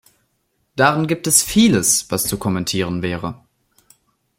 Darin gibt es vieles, was zu kommentieren wäre.